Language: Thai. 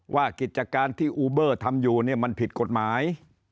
ว่ากิจการที่อูเบอร์ทำอยู่มันผิดกฎหมาย